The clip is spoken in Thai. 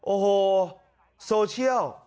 โอ้โหโซเชียล